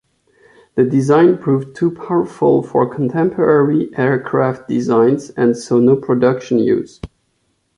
The design proved too powerful for contemporary aircraft designs and saw no production use.